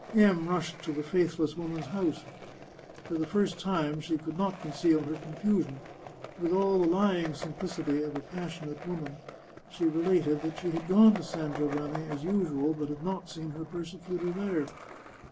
M rushed to the faithless woman's house. For the first time she could not conceal her confusion. With all the lying simplicity of a passionate woman, she related that she had gone to San Giovanni as usual, but had not seen her persecutor there.